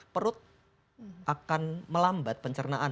perut akan melambat pencerahan